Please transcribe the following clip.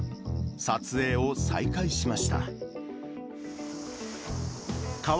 撮影を再開しました。